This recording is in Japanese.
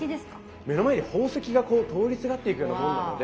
目の前に宝石がこう通りすがっていくようなもんなので。